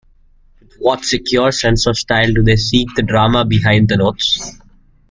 With what secure sense of style do they seek the drama behind the notes.